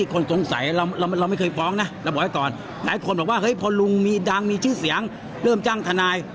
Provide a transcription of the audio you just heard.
ขอโทษนะฮะ